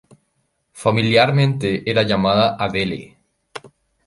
Familiarmente, era llamada "Adele".